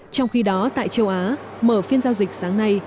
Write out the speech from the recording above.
trong khi đó tại châu á mở phiên giao dịch sáng nay